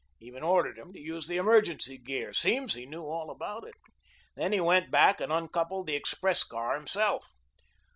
Even ordered 'em to use the emergency gear, seems he knew all about it. Then he went back and uncoupled the express car himself.